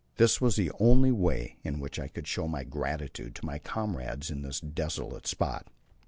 This was the only way in which I could show my gratitude to my comrades in this desolate spot.